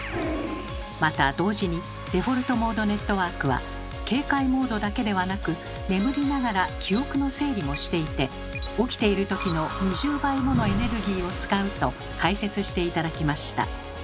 また同時にデフォルトモードネットワークは警戒モードだけではなく眠りながら記憶の整理もしていて起きているときの２０倍ものエネルギーを使うと解説して頂きました。